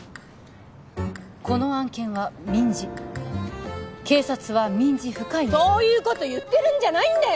この案件は民事警察は民事不介入そういうこと言ってるんじゃないんだよ！